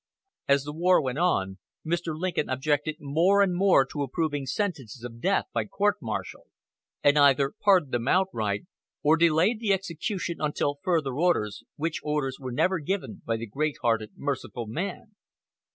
As the war went on, Mr. Lincoln objected more and more to approving sentences of death by court martial, and either pardoned them outright, or delayed the execution "until further orders," which orders were never given by the great hearted, merciful man.